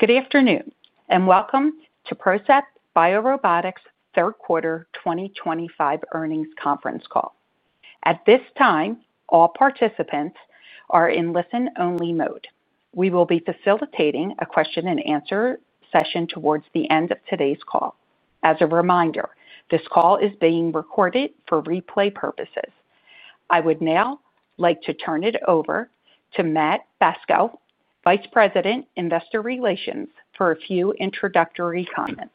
Good afternoon and welcome to PROCEPT BioRobotics third quarter 2025 earnings conference call. At this time, all participants are in listen-only mode. We will be facilitating a question-and-answer session towards the end of today's call. As a reminder, this call is being recorded for replay purposes. I would now like to turn it over to Matt Bacso, Vice President, Investor Relations, for a few introductory comments.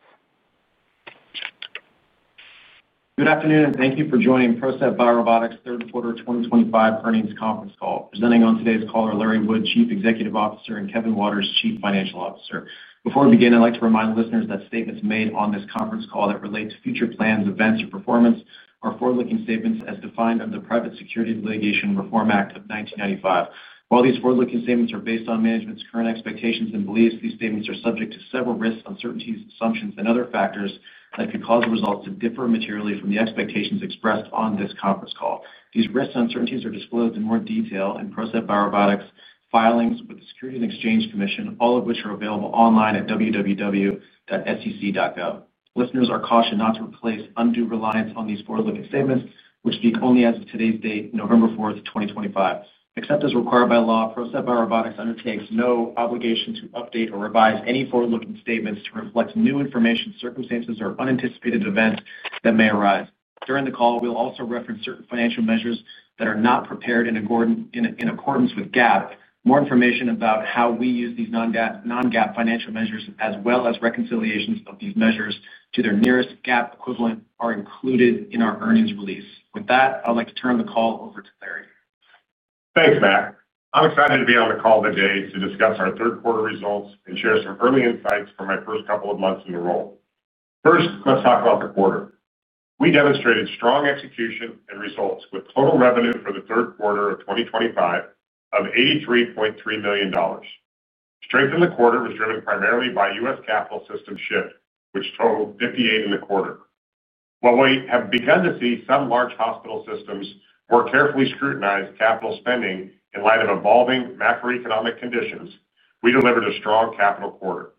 Good afternoon and thank you for joining PROCEPT BioRobotics third quarter 2025 earnings conference call. Presenting on today's call are Larry Wood, Chief Executive Officer, and Kevin Waters, Chief Financial Officer. Before we begin, I'd like to remind listeners that statements made on this conference call that relate to future plans, events, or performance are forward-looking statements as defined under the Private Securities Litigation Reform Act of 1995. While these forward-looking statements are based on management's current expectations and beliefs, these statements are subject to several risks, uncertainties, assumptions, and other factors that could cause results to differ materially from the expectations expressed on this conference call. These risks and uncertainties are disclosed in more detail in PROCEPT BioRobotics' filings with the Securities and Exchange Commission, all of which are available online at www.sec.gov. Listeners are cautioned not to place undue reliance on these forward-looking statements, which speak only as of today's date, November 4th, 2025. Except as required by law, PROCEPT BioRobotics undertakes no obligation to update or revise any forward-looking statements to reflect new information, circumstances, or unanticipated events that may arise. During the call, we will also reference certain financial measures that are not prepared in accordance with GAAP. More information about how we use these non-GAAP financial measures, as well as reconciliations of these measures to their nearest GAAP equivalent, are included in our earnings release. With that, I'd like to turn the call over to Larry. Thanks, Matt. I'm excited to be on the call today to discuss our third quarter results and share some early insights from my first couple of months in the role. First, let's talk about the quarter. We demonstrated strong execution and results with total revenue for third quarter 2025 of $83.3 million. Strength in the quarter was driven primarily by U.S. capital system sales, which totaled $58 million in the quarter. While we have begun to see some large hospital systems more carefully scrutinize capital spending in light of evolving macroeconomic conditions, we delivered a strong capital quarter.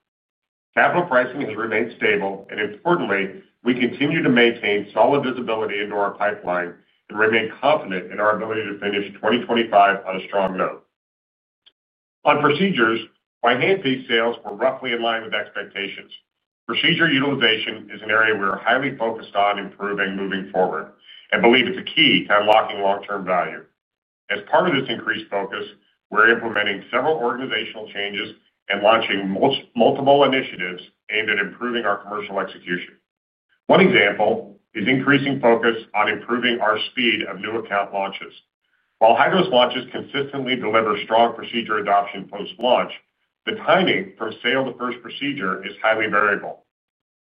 Capital pricing has remained stable, and importantly, we continue to maintain solid visibility into our pipeline and remain confident in our ability to finish 2025 on a strong note. On procedures, our handpiece sales were roughly in line with expectations. Procedure utilization is an area we are highly focused on improving moving forward and believe it's a key to unlocking long-term value. As part of this increased focus, we're implementing several organizational changes and launching multiple initiatives aimed at improving our commercial execution. One example is increasing focus on improving our speed of new account launches. While our launches consistently deliver strong procedure adoption post-launch, the timing from sale to first procedure is highly variable.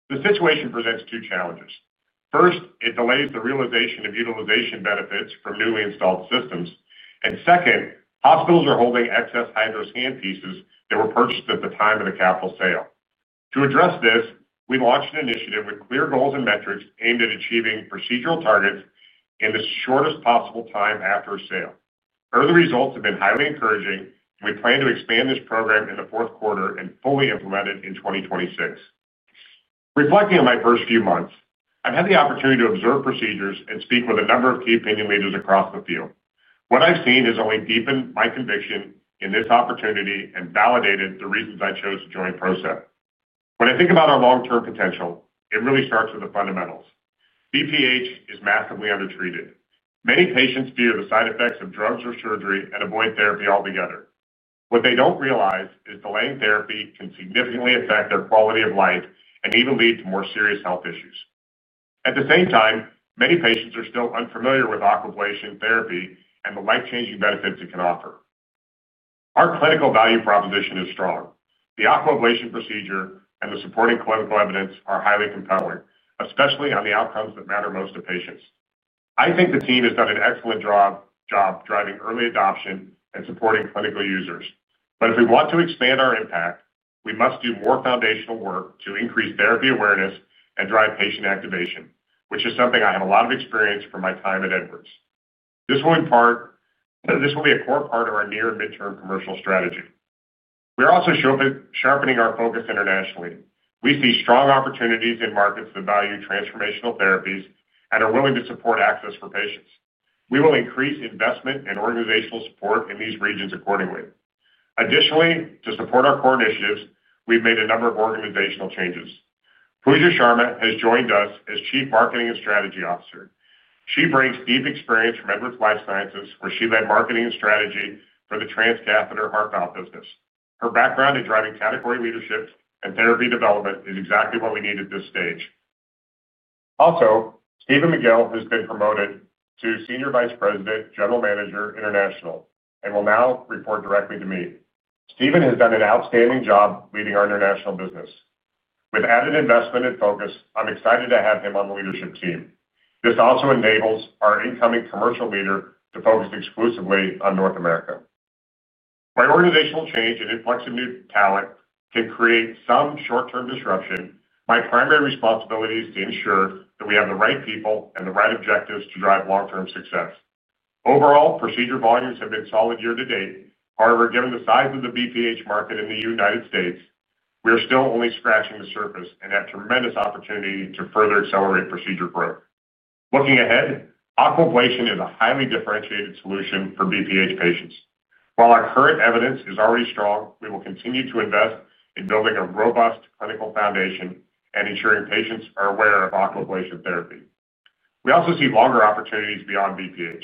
The situation presents two challenges. First, it delays the realization of utilization benefits from newly installed systems. Second, hospitals are holding excess handpieces that were purchased at the time of the capital sale. To address this, we launched an initiative with clear goals and metrics aimed at achieving procedural targets in the shortest possible time after sale. Early results have been highly encouraging, and we plan to expand this program in f and fully implement it in 2026. Reflecting on my first few months, I've had the opportunity to observe procedures and speak with a number of key opinion leaders across the field. What I've seen has only deepened my conviction in this opportunity and validated the reasons I chose to join PROCEPT. When I think about our long-term potential, it really starts with the fundamentals. BPH is massively undertreated. Many patients fear the side effects of drugs or surgery and avoid therapy altogether. What they don't realize is delaying therapy can significantly affect their quality of life and even lead to more serious health issues. At the same time, many patients are still unfamiliar with aquablation therapy and the life-changing benefits it can offer. Our clinical value proposition is strong. The aquablation procedure and the supporting clinical evidence are highly compelling, especially on the outcomes that matter most to patients. I think the team has done an excellent job driving early adoption and supporting clinical users. If we want to expand our impact, we must do more foundational work to increase therapy awareness and drive patient activation, which is something I have a lot of experience from my time at Edwards. This will be a core part of our near and midterm commercial strategy. We are also sharpening our focus internationally. We see strong opportunities in markets that value transformational therapies and are willing to support access for patients. We will increase investment and organizational support in these regions accordingly. Additionally, to support our core initiatives, we've made a number of organizational changes. Pooja Sharma has joined us as Chief Marketing and Strategy Officer. She brings deep experience from Edwards Lifesciences, where she led marketing and strategy for the transcatheter heart valve business. Her background in driving category leadership and therapy development is exactly what we need at this stage. Also, Stephen Miguel has been promoted to Senior Vice President, General Manager, International, and will now report directly to me. Stephen has done an outstanding job leading our international business. With added investment and focus, I'm excited to have him on the leadership team. This also enables our incoming commercial leader to focus exclusively on North America. By organizational change and influx of new talent, it can create some short-term disruption. My primary responsibility is to ensure that we have the right people and the right objectives to drive long-term success. Overall, procedure volumes have been solid year-to-date. However, given the size of the BPH market in the United States, we are still only scratching the surface and have tremendous opportunity to further accelerate procedure growth. Looking ahead, aquablation is a highly differentiated solution for BPH patients. While our current evidence is already strong, we will continue to invest in building a robust clinical foundation and ensuring patients are aware of aquablation therapy. We also see longer opportunities beyond BPH.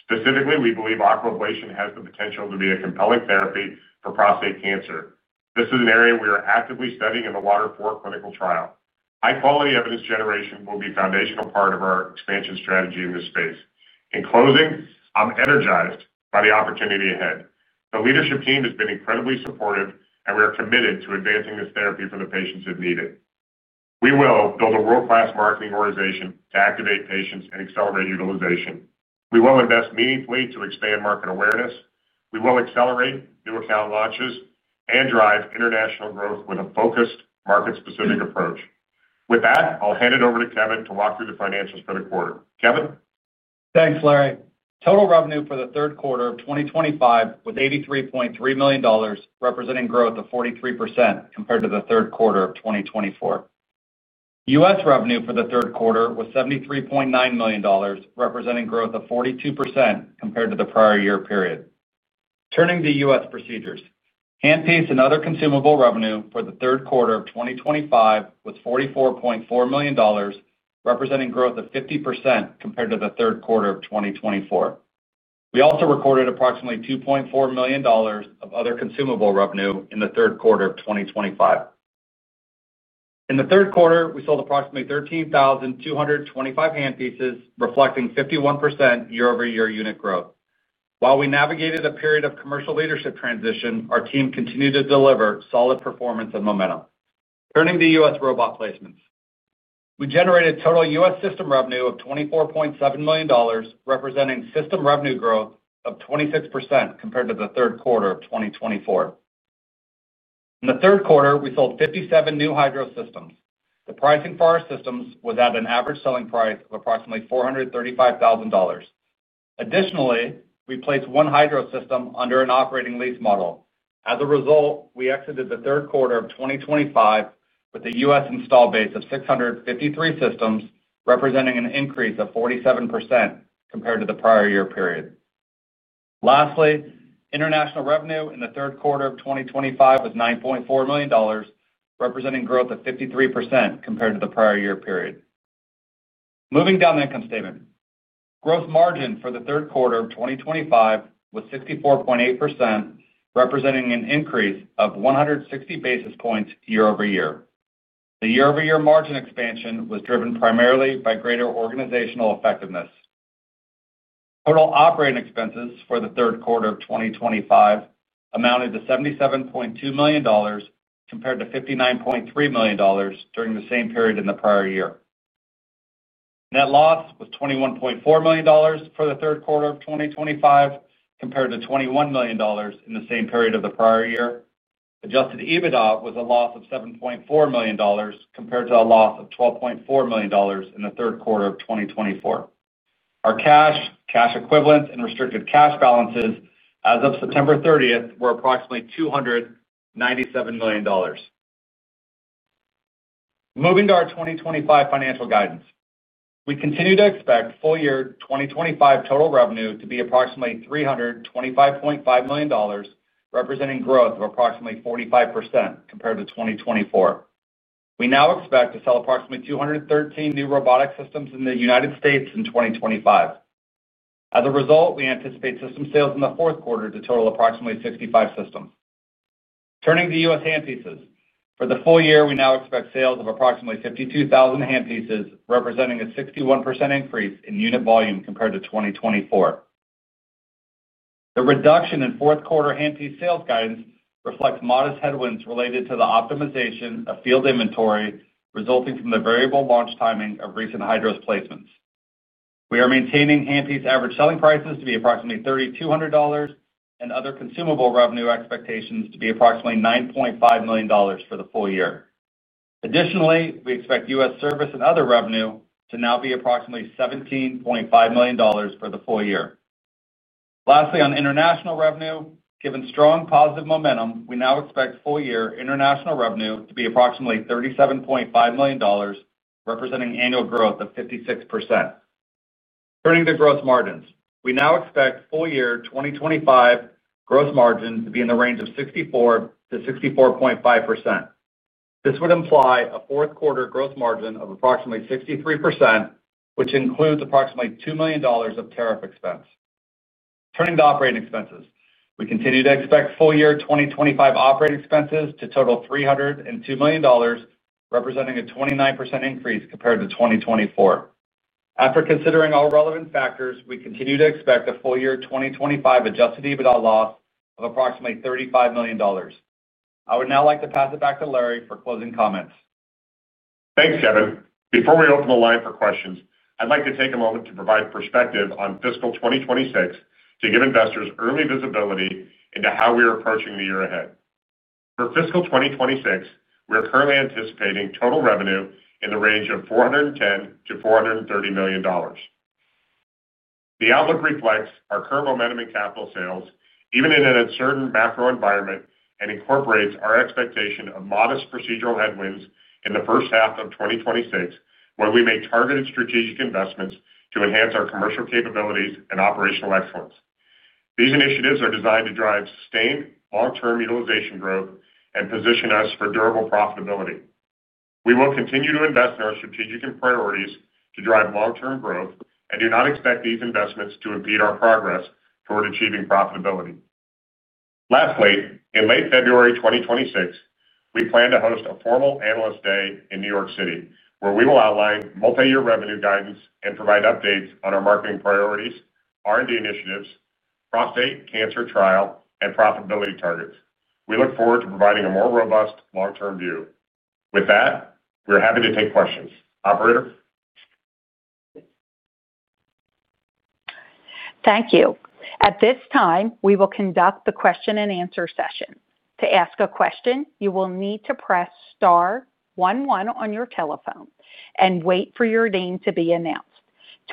Specifically, we believe aquablation has the potential to be a compelling therapy for prostate cancer. This is an area we are actively studying in the WATERFALL clinical trial. High-quality evidence generation will be a foundational part of our expansion strategy in this space. In closing, I'm energized by the opportunity ahead. The leadership team has been incredibly supportive, and we are committed to advancing this therapy for the patients it needed. We will build a world-class marketing organization to activate patients and accelerate utilization. We will invest meaningfully to expand market awareness. We will accelerate new account launches and drive international growth with a focused market-specific approach. With that, I'll hand it over to Kevin to walk through the financials for the quarter. Kevin? Thanks, Larry. Total revenue for third quarter 2025 was $83.3 million, representing growth of 43% compared to third quarter 2024. U.S. revenue for third quarter was $73.9 million, representing growth of 42% compared to the prior year period. Turning to U.S. procedures, handpiece and other consumable revenue for third quarter 2025 was $44.4 million, representing growth of 50% compared to third quarter 2024. We also recorded approximately $2.4 million of other consumable revenue in third quarter 2025. In third quarter, we sold approximately 13,225 handpieces, reflecting 51% year-over-year unit growth. While we navigated a period of commercial leadership transition, our team continued to deliver solid performance and momentum. Turning to U.S. robot placements, we generated total U.S. system revenue of $24.7 million, representing system revenue growth of 26% compared to third quarter 2024. In third quarter, we sold 57 new hydro systems. The pricing for our systems was at an average selling price of approximately $435,000. Additionally, we placed one hydro system under an operating lease model. As a result, we exited third quarter 2025 with a U.S. installed base of 653 systems, representing an increase of 47% compared to the prior year period. Lastly, international revenue in third quarter 2025 was $9.4 million, representing growth of 53% compared to the prior year period. Moving down the income statement, gross margin for third quarter 2025 was 64.8%. Representing an increase of 160 basis points year-over-year. The year-over-year margin expansion was driven primarily by greater organizational effectiveness. Total operating expenses for third quarter 2025 amounted to $77.2 million compared to $59.3 million during the same period in the prior year. Net loss was $21.4 million for third quarter 2025 compared to $21 million in the same period of the prior year. Adjusted EBITDA was a loss of $7.4 million compared to a loss of $12.4 million in third quarter 2024. Our cash, cash equivalents, and restricted cash balances as of September 30th were approximately $297 million. Moving to our 2025 financial guidance, we continue to expect full year 2025 total revenue to be approximately $325.5 million, representing growth of approximately 45% compared to 2024. We now expect to sell approximately 213 new robotic systems in the United States in 2025. As a result, we anticipate system sales fourth quarter to total approximately 65 systems. Turning to U.S. handpieces, for the full year, we now expect sales of approximately 52,000 handpieces, representing a 61% increase in unit volume compared to 2024. The reduction fourth quarter handpiece sales guidance reflects modest headwinds related to the optimization of field inventory resulting from the variable launch timing of recent hydro placements. We are maintaining handpiece average selling prices to be approximately $3,200 and other consumable revenue expectations to be approximately $9.5 million for the full year. Additionally, we expect U.S. service and other revenue to now be approximately $17.5 million for the full year. Lastly, on international revenue, given strong positive momentum, we now expect full year international revenue to be approximately $37.5 million, representing annual growth of 56%. Turning to gross margins, we now expect full year 2025 gross margin to be in the range of 64%-64.5%. This would imply a fourth quarter gross margin of approximately 63%, which includes approximately $2 million of tariff expense. Turning to operating expenses, we continue to expect full year 2025 operating expenses to total $302 million, representing a 29% increase compared to 2024. After considering all relevant factors, we continue to expect a full year 2025 Adjusted EBITDA loss of approximately $35 million. I would now like to pass it back to Larry for closing comments. Thanks, Kevin. Before we open the line for questions, I'd like to take a moment to provide perspective on fiscal 2026 to give investors early visibility into how we are approaching the year ahead. For fiscal 2026, we are currently anticipating total revenue in the range of $410 million-$430 million. The outlook reflects our current momentum in capital sales, even in an uncertain macro environment, and incorporates our expectation of modest procedural headwinds in the first half of 2026, where we may make targeted strategic investments to enhance our commercial capabilities and operational excellence. These initiatives are designed to drive sustained long-term utilization growth and position us for durable profitability. We will continue to invest in our strategic priorities to drive long-term growth and do not expect these investments to impede our progress toward achieving profitability. Lastly, in late February 2026, we plan to host a formal Analyst Day in New York City, where we will outline multi-year revenue guidance and provide updates on our marketing priorities, R&D initiatives, prostate cancer trial, and profitability targets. We look forward to providing a more robust long-term view. With that, we are happy to take questions. Operator? Thank you. At this time, we will conduct the question-and-answer session. To ask a question, you will need to press star one one on your telephone and wait for your name to be announced.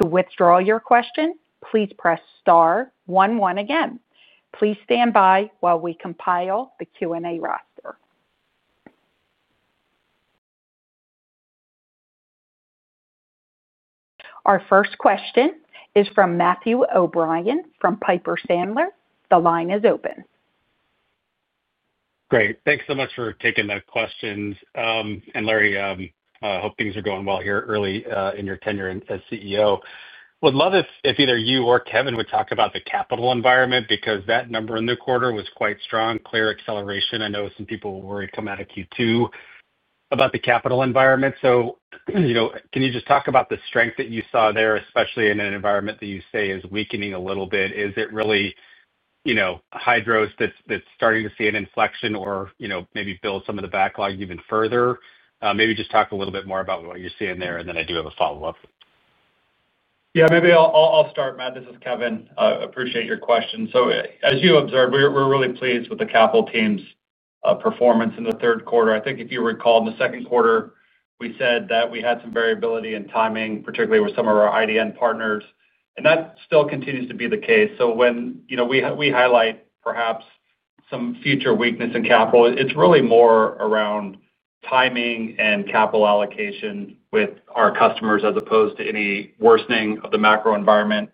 To withdraw your question, please press star one one again. Please stand by while we compile the Q&A roster. Our first question is from Matthew O'Brien from Piper Sandler. The line is open. Great. Thanks so much for taking the questions, and Larry, I hope things are going well here early in your tenure as CEO. Would love if either you or Kevin would talk about the capital environment because that number in the quarter was quite strong, clear acceleration. I know some people were worried coming out of Q2 about the capital environment. So, can you just talk about the strength that you saw there, especially in an environment that you say is weakening a little bit? Is it really Hydro's that's starting to see an inflection or maybe build some of the backlog even further? Maybe just talk a little bit more about what you're seeing there, and then I do have a follow-up. Yeah, maybe I'll start, Matt. This is Kevin. I appreciate your question. So, as you observed, we're really pleased with the capital team's performance in the third quarter. I think if you recall, in the second quarter, we said that we had some variability in timing, particularly with some of our IDN partners. And that still continues to be the case. So when we highlight perhaps some future weakness in capital, it's really more around timing and capital allocation with our customers as opposed to any worsening of the macro environment.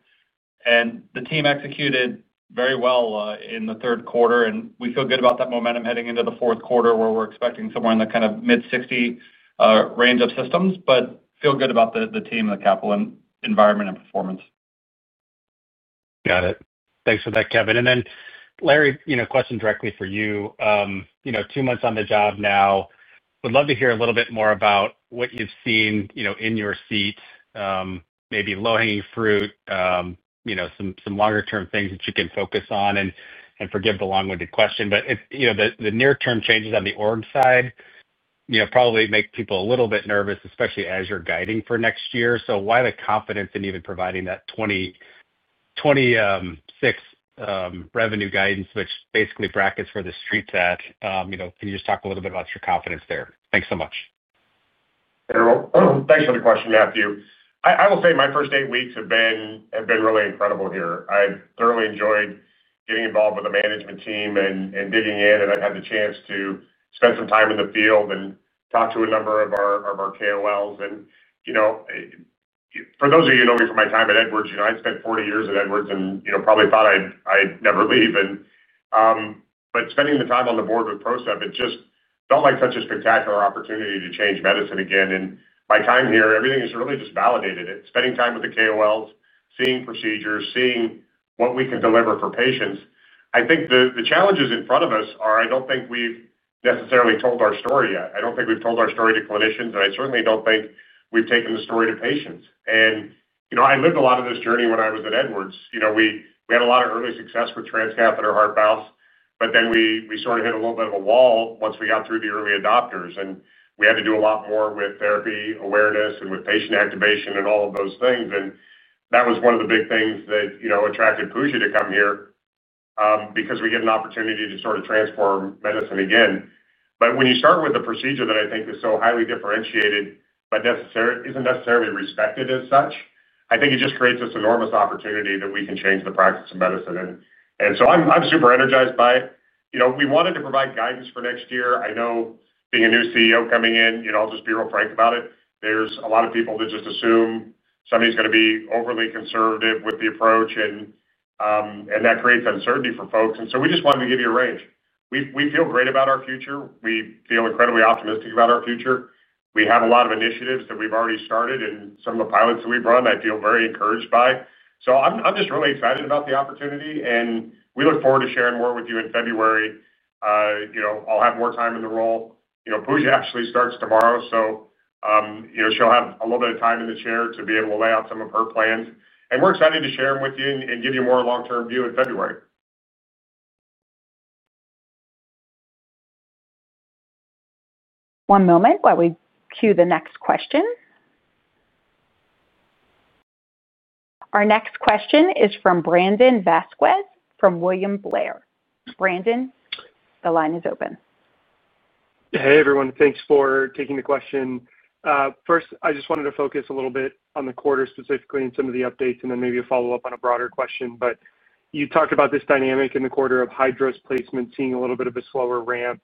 And the team executed very well in the third quarter, and we feel good about that momentum heading into the fourth quarter, where we're expecting somewhere in the kind of mid-60 range of systems, but feel good about the team and the capital environment and performance. Got it. Thanks for that, Kevin. And then, Larry, question directly for you. Two months on the job now. Would love to hear a little bit more about what you've seen in your seat. Maybe low-hanging fruit. Some longer-term things that you can focus on and forgive the long-winded question. But the near-term changes on the org side. Probably make people a little bit nervous, especially as you're guiding for next year. So why the confidence in even providing that? 2026 revenue guidance, which basically brackets for the street that? Can you just talk a little bit about your confidence there? Thanks so much. Thanks for the question, Matthew. I will say my first eight weeks have been really incredible here. I've thoroughly enjoyed getting involved with the management team and digging in, and I've had the chance to spend some time in the field and talk to a number of our KOLs, and for those of you who know me from my time at Edwards, I spent 40 years at Edwards and probably thought I'd never leave. But spending the time on the board with PROCEPT, it just felt like such a spectacular opportunity to change medicine again, and by time here, everything has really just validated it. Spending time with the KOLs, seeing procedures, seeing what we can deliver for patients, I think the challenges in front of us are, I don't think we've necessarily told our story yet. I don't think we've told our story to clinicians, and I certainly don't think we've taken the story to patients, and I lived a lot of this journey when I was at Edwards. We had a lot of early success with transcatheter heart valves, but then we sort of hit a little bit of a wall once we got through the early adopters, and we had to do a lot more with therapy awareness and with patient activation and all of those things, and that was one of the big things that attracted Pooja to come here. Because we get an opportunity to sort of transform medicine again, but when you start with a procedure that I think is so highly differentiated but isn't necessarily respected as such, I think it just creates this enormous opportunity that we can change the practice of medicine, and so I'm super energized by it. We wanted to provide guidance for next year. I know being a new CEO coming in, I'll just be real frank about it, there's a lot of people that just assume somebody's going to be overly conservative with the approach, and that creates uncertainty for folks, and so we just wanted to give you a range. We feel great about our future. We feel incredibly optimistic about our future. We have a lot of initiatives that we've already started and some of the pilots that we've run I feel very encouraged by. So I'm just really excited about the opportunity, and we look forward to sharing more with you in February. I'll have more time in the role. Pooja actually starts tomorrow, so she'll have a little bit of time in the chair to be able to lay out some of her plans, and we're excited to share them with you and give you a more long-term view in February. One moment while we cue the next question. Our next question is from Brandon Vazquez from William Blair. Brandon, the line is open. Hey, everyone. Thanks for taking the question. First, I just wanted to focus a little bit on the quarter specifically and some of the updates, and then maybe a follow-up on a broader question. But you talked about this dynamic in the quarter of Hydro's placement, seeing a little bit of a slower ramp.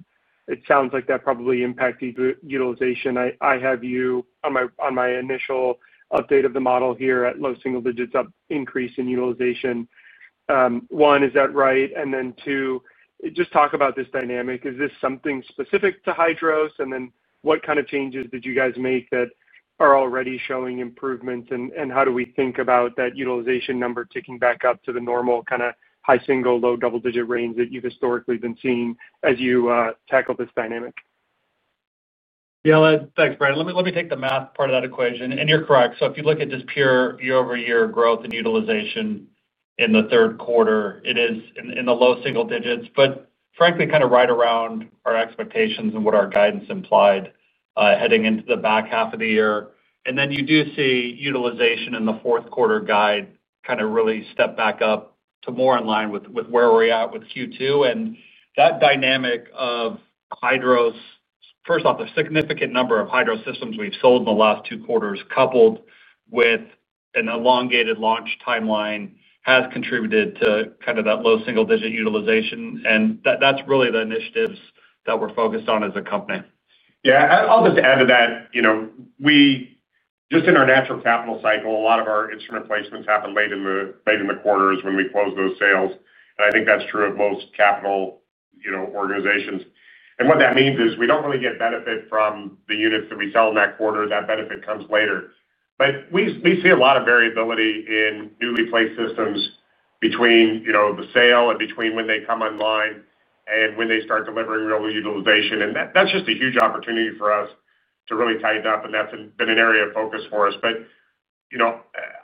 It sounds like that probably impacted utilization. I have you on my initial update of the model here at low single digits up increase in utilization. One, is that right? And then two, just talk about this dynamic. Is this something specific to Hydros? And then what kind of changes did you guys make that are already showing improvements? And how do we think about that utilization number ticking back up to the normal kind of high single, low double-digit range that you've historically been seeing as you tackle this dynamic? Yeah, thanks, Brandon. Let me take the math part of that equation, and you're correct, so if you look at just pure year-over-year growth and utilization in the third quarter, it is in the low-single-digits, but frankly, kind of right around our expectations and what our guidance implied heading into the back half of the year, and then you do see utilization in the fourth quarter guide kind of really step back up to more in line with where we're at with Q2, and that dynamic of Hydro's, first off, the significant number of Hydro systems we've sold in the last two quarters, coupled with an elongated launch timeline, has contributed to kind of that low-single-digit utilization, and that's really the initiatives that we're focused on as a company. Yeah, I'll just add to that. Just in our natural capital cycle, a lot of our instrument placements happen late in the quarters when we close those sales. And I think that's true of most capital organizations. And what that means is we don't really get benefit from the units that we sell in that quarter. That benefit comes later. But we see a lot of variability in newly placed systems between the sale and between when they come online and when they start delivering real utilization. And that's just a huge opportunity for us to really tighten up. And that's been an area of focus for us. But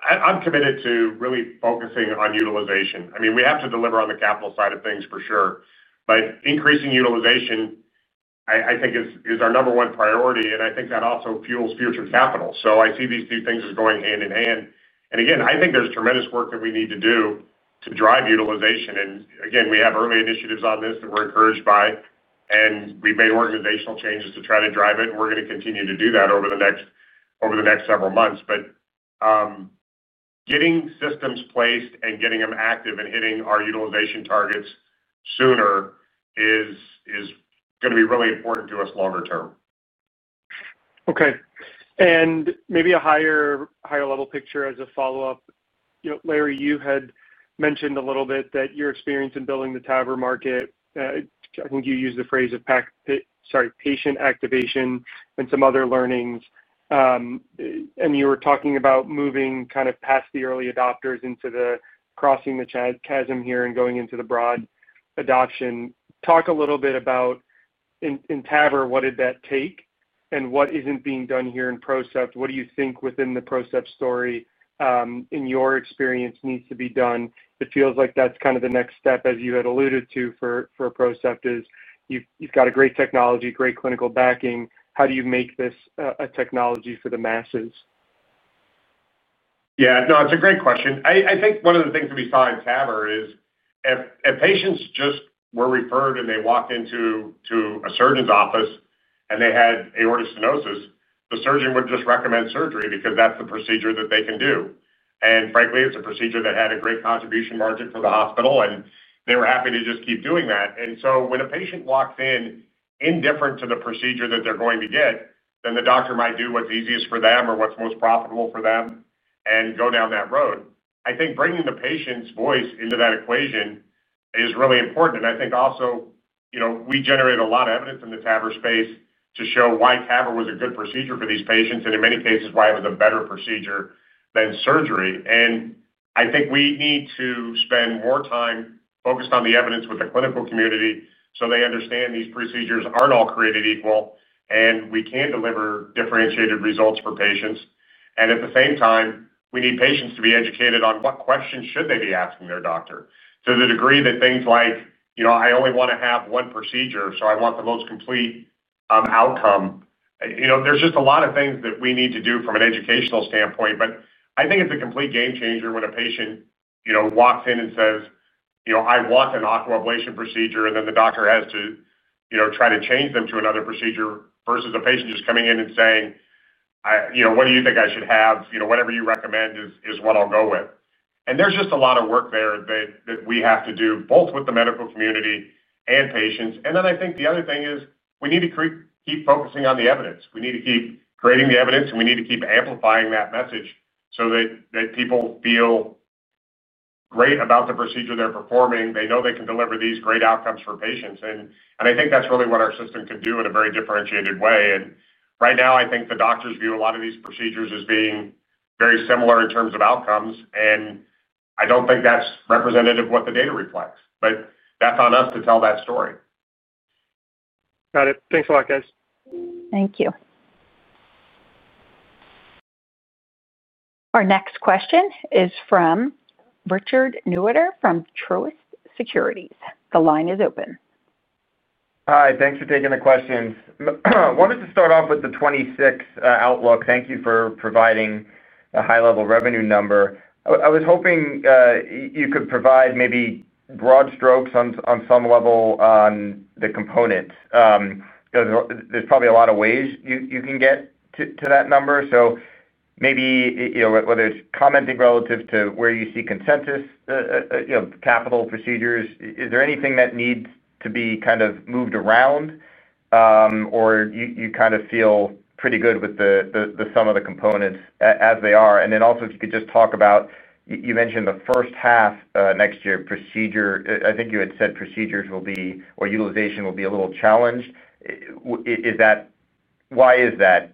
I'm committed to really focusing on utilization. I mean, we have to deliver on the capital side of things, for sure, but increasing utilization, I think, is our number one priority. And I think that also fuels future capital. So I see these two things as going hand in hand. And again, I think there's tremendous work that we need to do to drive utilization. And again, we have early initiatives on this that we're encouraged by. And we've made organizational changes to try to drive it. And we're going to continue to do that over the next several months. But getting systems placed and getting them active and hitting our utilization targets sooner is going to be really important to us longer-term. Okay. And maybe a higher-level picture as a follow-up. Larry, you had mentioned a little bit that your experience in building the TAVR market. I think you used the phrase of patient activation and some other learnings. And you were talking about moving kind of past the early adopters into crossing the chasm here and going into the broad adoption. Talk a little bit about in TAVR, what did that take? And what isn't being done here in PROCEPT? What do you think within the PROCEPT story, in your experience, needs to be done? It feels like that's kind of the next step, as you had alluded to, for PROCEPT is you've got a great technology, great clinical backing. How do you make this a technology for the masses? Yeah, no, it's a great question. I think one of the things that we saw in TAVR is if patients just were referred and they walked into a surgeon's office and they had aortic stenosis, the surgeon would just recommend surgery because that's the procedure that they can do. And frankly, it's a procedure that had a great contribution margin for the hospital, and they were happy to just keep doing that. And so when a patient walks in indifferent to the procedure that they're going to get, then the doctor might do what's easiest for them or what's most profitable for them and go down that road. I think bringing the patient's voice into that equation is really important. And I think also we generated a lot of evidence in the TAVR space to show why TAVR was a good procedure for these patients and, in many cases, why it was a better procedure than surgery. And I think we need to spend more time focused on the evidence with the clinical community so they understand these procedures aren't all created equal and we can deliver differentiated results for patients. And at the same time, we need patients to be educated on what questions should they be asking their doctor to the degree that things like, "I only want to have one procedure, so I want the most complete outcome." There's just a lot of things that we need to do from an educational standpoint. But I think it's a complete game changer when a patient walks in and says, "I want an aquablation procedure," and then the doctor has to try to change them to another procedure versus a patient just coming in and saying, "What do you think I should have? Whatever you recommend is what I'll go with." And there's just a lot of work there that we have to do both with the medical community and patients. And then I think the other thing is we need to keep focusing on the evidence. We need to keep creating the evidence, and we need to keep amplifying that message so that people feel great about the procedure they're performing. They know they can deliver these great outcomes for patients. And I think that's really what our system can do in a very differentiated way. And right now, I think the doctors view a lot of these procedures as being very similar in terms of outcomes. And I don't think that's representative of what the data reflects. But that's on us to tell that story. Got it. Thanks a lot, guys. Thank you. Our next question is from Richard Newitter from Truist Securities. The line is open. Hi, thanks for taking the questions. Wanted to start off with the 2026 outlook. Thank you for providing a high-level revenue number. I was hoping you could provide maybe broad strokes on some level on the components. There's probably a lot of ways you can get to that number. So maybe whether it's commenting relative to where you see consensus. Capital procedures, is there anything that needs to be kind of moved around. Or you kind of feel pretty good with some of the components as they are? And then also, if you could just talk about, you mentioned the first half next year procedure. I think you had said procedures will be or utilization will be a little challenged. Why is that?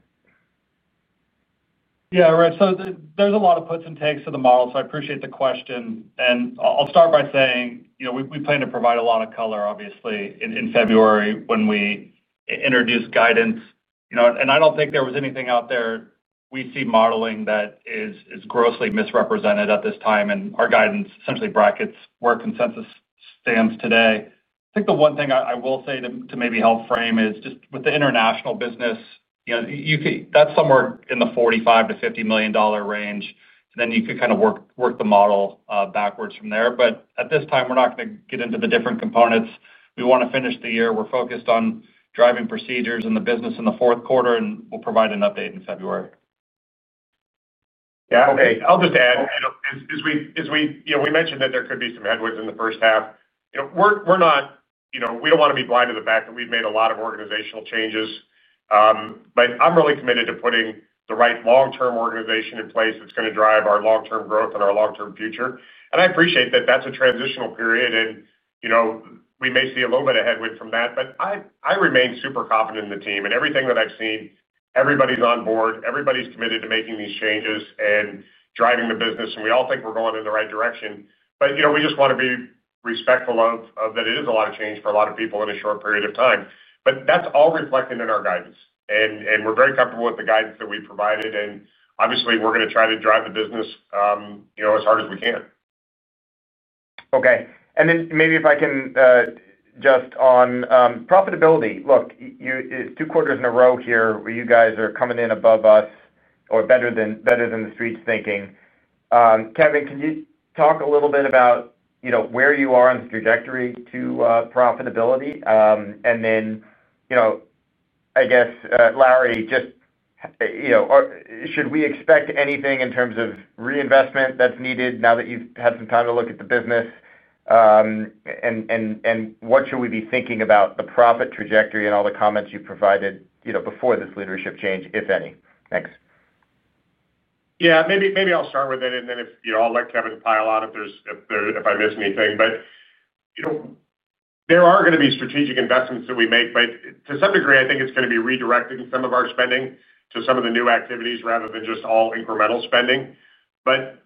Yeah, right, so there's a lot of puts and takes to the model, so I appreciate the question. I'll start by saying we plan to provide a lot of color, obviously, in February when we introduce guidance. I don't think there was anything out there we see modeling that is grossly misrepresented at this time. Our guidance essentially brackets where consensus stands today. I think the one thing I will say to maybe help frame is just with the international business. That's somewhere in the $45 million-$50 million range. Then you could kind of work the model backwards from there. But at this time, we're not going to get into the different components. We want to finish the year. We're focused on driving procedures and the business in the fourth quarter, and we'll provide an update in February. Yeah, okay. I'll just add, as we mentioned, that there could be some headwinds in the first half. We don't want to be blind to the fact that we've made a lot of organizational changes. I'm really committed to putting the right long-term organization in place that's going to drive our long-term growth and our long-term future. I appreciate that that's a transitional period. We may see a little bit of headwind from that, but I remain super confident in the team. Everything that I've seen, everybody's on board. Everybody's committed to making these changes and driving the business. We all think we're going in the right direction. We just want to be respectful of that it is a lot of change for a lot of people in a short period of time. That's all reflected in our guidance. We're very comfortable with the guidance that we've provided. Obviously, we're going to try to drive the business as hard as we can. Okay. And then maybe if I can just on profitability. Look, it's two quarters in a row here where you guys are coming in above us or better than the Street's thinking. Kevin, can you talk a little bit about where you are on the trajectory to profitability? And then I guess, Larry, just should we expect anything in terms of reinvestment that's needed now that you've had some time to look at the business. And what should we be thinking about the profit trajectory and all the comments you've provided before this leadership change, if any? Thanks. Yeah, maybe I'll start with it, and then I'll let Kevin pile on if I miss anything. But. There are going to be strategic investments that we make. But to some degree, I think it's going to be redirected in some of our spending to some of the new activities rather than just all incremental spending. But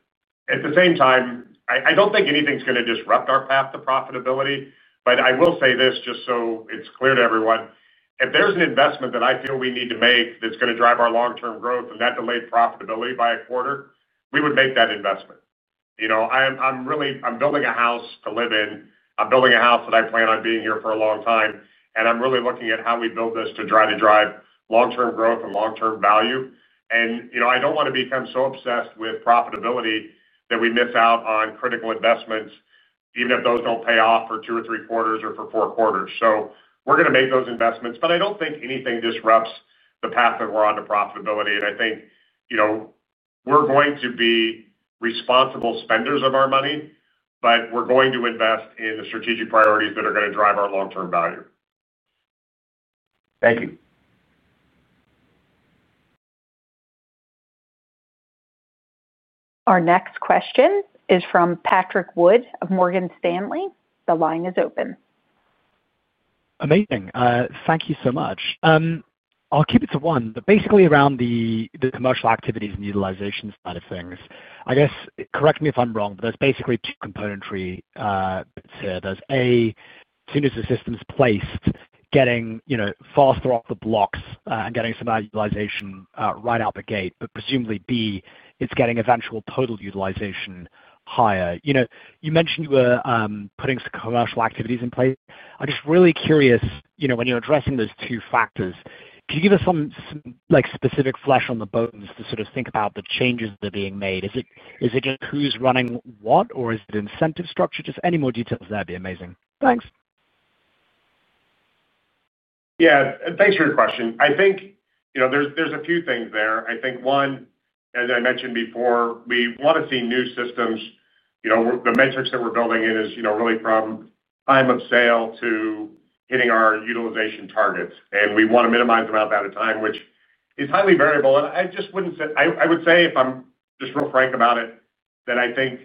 at the same time, I don't think anything's going to disrupt our path to profitability. But I will say this just so it's clear to everyone. If there's an investment that I feel we need to make that's going to drive our long-term growth and that delayed profitability by a quarter, we would make that investment. I'm building a house to live in. I'm building a house that I plan on being here for a long time. And I'm really looking at how we build this to try to drive long-term growth and long-term value. And I don't want to become so obsessed with profitability that we miss out on critical investments, even if those don't pay off for two or three quarters or for four quarters. So we're going to make those investments. But I don't think anything disrupts the path that we're on to profitability. And I think. We're going to be responsible spenders of our money, but we're going to invest in the strategic priorities that are going to drive our long-term value. Thank you. Our next question is from Patrick Wood of Morgan Stanley. The line is open. Amazing. Thank you so much. I'll keep it to one. But basically, around the commercial activities and utilization side of things, I guess, correct me if I'm wrong, but there's basically two components. Here. There's A, as soon as the system's placed, getting faster off the blocks and getting some of that utilization right out the gate. But presumably, B, it's getting eventual total utilization higher. You mentioned you were putting some commercial activities in place. I'm just really curious, when you're addressing those two factors, could you give us some specific flesh on the bones to sort of think about the changes that are being made? Is it just who's running what, or is it incentive structure? Just any more details there would be amazing. Thanks. Yeah. Thanks for your question. I think. There's a few things there. I think one, as I mentioned before, we want to see new systems. The metrics that we're building in is really from time of sale to hitting our utilization targets. And we want to minimize the amount of out-of-time, which is highly variable. And I just wouldn't say I would say, if I'm just real frank about it, that I think.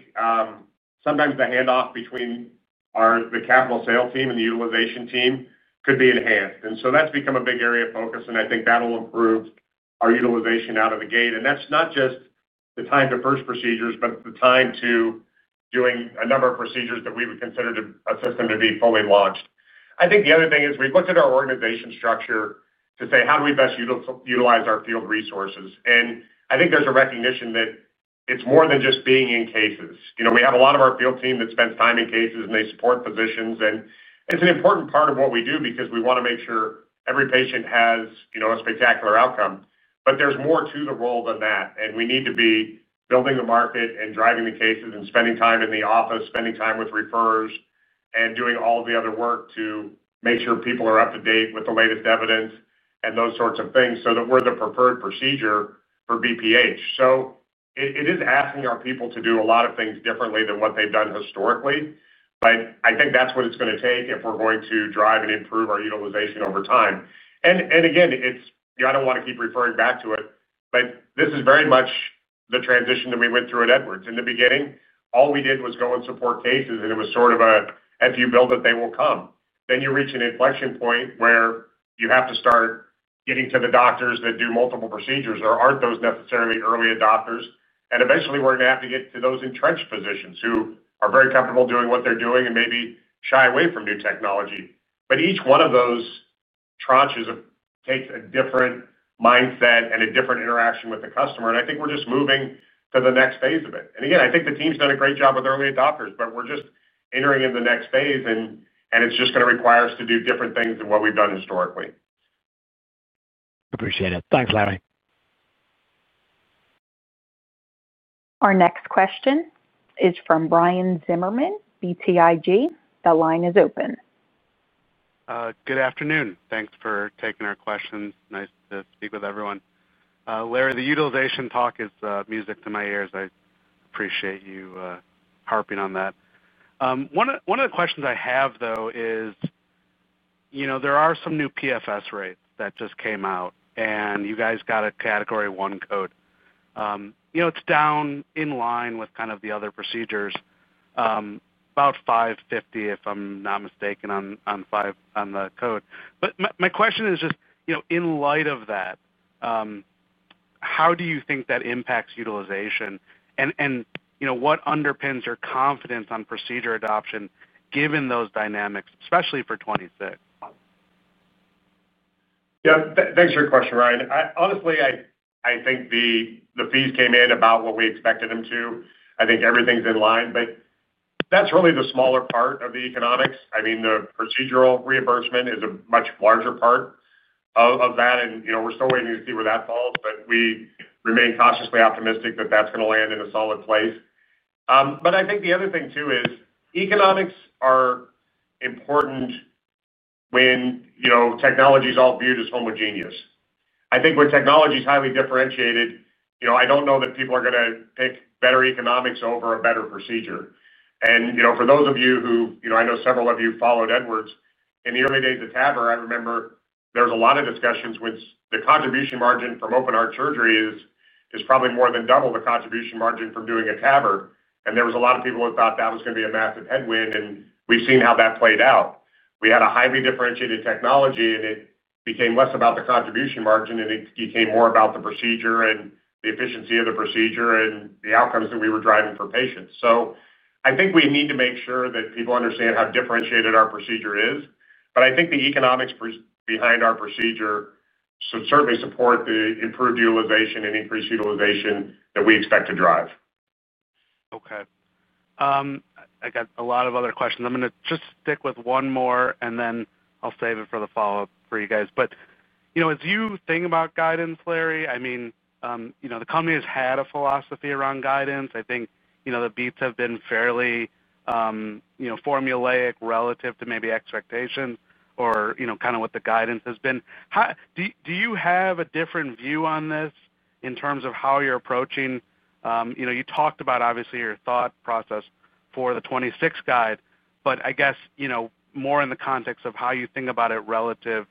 Sometimes the handoff between. The capital sales team and the utilization team could be enhanced. And so that's become a big area of focus. And I think that'll improve our utilization out of the gate. And that's not just the time to first procedures, but the time to doing a number of procedures that we would consider a system to be fully launched. I think the other thing is we've looked at our organization structure to say, how do we best utilize our field resources? And I think there's a recognition that it's more than just being in cases. We have a lot of our field team that spends time in cases, and they support physicians. And it's an important part of what we do because we want to make sure every patient has a spectacular outcome. But there's more to the role than that. And we need to be building the market and driving the cases and spending time in the office, spending time with referrers, and doing all the other work to make sure people are up to date with the latest evidence and those sorts of things so that we're the preferred procedure for BPH. So it is asking our people to do a lot of things differently than what they've done historically. But I think that's what it's going to take if we're going to drive and improve our utilization over time. And again, I don't want to keep referring back to it, but this is very much the transition that we went through at Edwards. In the beginning, all we did was go and support cases, and it was sort of a, if you build it, they will come. Then you reach an inflection point where you have to start getting to the doctors that do multiple procedures or aren't those necessarily early adopters. And eventually, we're going to have to get to those entrenched physicians who are very comfortable doing what they're doing and maybe shy away from new technology. But each one of those. Tranches takes a different mindset and a different interaction with the customer. And I think we're just moving to the next phase of it. And again, I think the team's done a great job with early adopters, but we're just entering into the next phase, and it's just going to require us to do different things than what we've done historically. Appreciate it. Thanks, Larry. Our next question is from Ryan Zimmerman, BTIG. The line is open. Good afternoon. Thanks for taking our questions. Nice to speak with everyone. Larry, the utilization talk is music to my ears. I appreciate you harping on that. One of the questions I have, though, is there are some new PFS rates that just came out, and you guys got a category one code. It's in line with kind of the other procedures, about 550, if I'm not mistaken, on the code. But my question is just, in light of that, how do you think that impacts utilization? And what underpins your confidence on procedure adoption given those dynamics, especially for 2026? Yeah. Thanks for your question, Ryan. Honestly, I think the fees came in about what we expected them to. I think everything's in line. But that's really the smaller part of the economics. I mean, the procedural reimbursement is a much larger part of that. And we're still waiting to see where that falls, but we remain cautiously optimistic that that's going to land in a solid place. But I think the other thing, too, is economics are important when technology is all viewed as homogeneous. I think when technology is highly differentiated, I don't know that people are going to pick better economics over a better procedure. And for those of you who I know several of you followed Edwards, in the early days of TAVR, I remember there was a lot of discussions when the contribution margin from open-heart surgery is probably more than double the contribution margin from doing a TAVR. And there was a lot of people who thought that was going to be a massive headwind. And we've seen how that played out. We had a highly differentiated technology, and it became less about the contribution margin, and it became more about the procedure and the efficiency of the procedure and the outcomes that we were driving for patients. So I think we need to make sure that people understand how differentiated our procedure is. But I think the economics behind our procedure certainly support the improved utilization and increased utilization that we expect to drive. Okay. I got a lot of other questions. I'm going to just stick with one more, and then I'll save it for the follow-up for you guys. But as you think about guidance, Larry, I mean. The company has had a philosophy around guidance. I think the beats have been fairly. Formulaic relative to maybe expectations or kind of what the guidance has been. Do you have a different view on this in terms of how you're approaching? You talked about, obviously, your thought process for the 2026 guide, but I guess. More in the context of how you think about it relative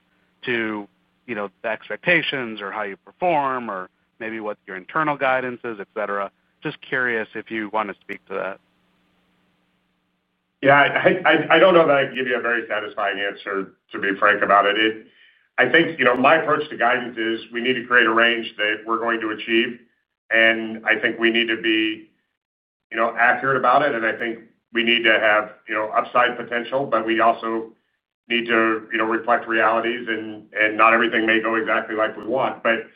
to. The expectations or how you perform or maybe what your internal guidance is, etc. Just curious if you want to speak to that. Yeah. I don't know that I can give you a very satisfying answer, to be frank about it. I think my approach to guidance is we need to create a range that we're going to achieve. And I think we need to be accurate about it. And I think we need to have upside potential, but we also need to reflect realities. And not everything may go exactly like we want. But